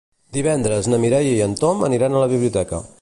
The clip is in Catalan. Divendres na Mireia i en Tom aniran a la biblioteca.